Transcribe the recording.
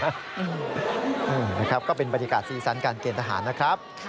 นะครับก็เป็นบรรยากาศสีสันการเกณฑหารนะครับ